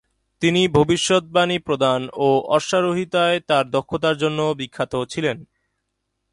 তিনি ভবিষ্যদ্বাণী প্রদান ও অশ্বারোহীতায় তার দক্ষতার জন্য বিখ্যাত ছিলেন।